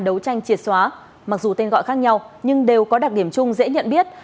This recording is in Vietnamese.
đấu tranh triệt xóa mặc dù tên gọi khác nhau nhưng đều có đặc điểm chung dễ nhận biết